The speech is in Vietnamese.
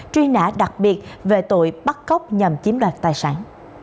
truy nã đặc biệt về tội bắt cóc nhằm chiếm đoạt tài sản